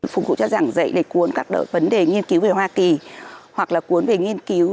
phục vụ cho giảng dạy để cuốn các vấn đề nghiên cứu về hoa kỳ hoặc là cuốn về nghiên cứu